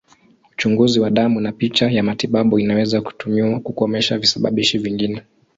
Uchunguzi wa damu na picha ya matibabu inaweza kutumiwa kukomesha visababishi vingine.